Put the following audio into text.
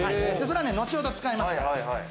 それはね、後ほど使いますから。